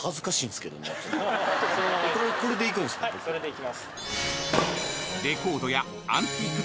それで行きます。